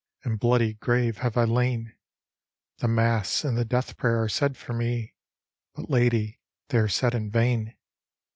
In bloody grave have I lain ; The mass and the death prayer are said for me, But, lady, they are said in vain.